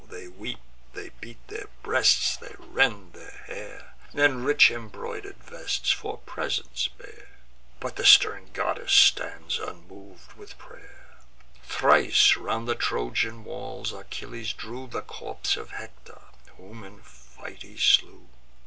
They weep, they beat their breasts, they rend their hair, And rich embroider'd vests for presents bear; But the stern goddess stands unmov'd with pray'r. Thrice round the Trojan walls Achilles drew The corpse of Hector, whom in fight he slew.